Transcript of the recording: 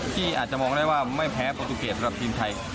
ที่อาจจะมองได้ว่าไม่แพ้โปรตูเกตสำหรับทีมไทย